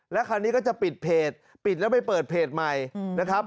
แล้วคราวนี้ก็จะปิดเพจปิดแล้วไปเปิดเพจใหม่นะครับ